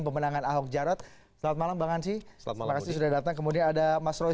pemenangan ahok jarot selamat malam bang ansi selamat datang kemudian ada mas roy